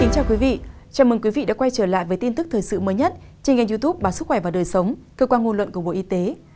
chào mừng quý vị đã quay trở lại với tin tức thời sự mới nhất trên kênh youtube báo sức khỏe và đời sống cơ quan ngôn luận của bộ y tế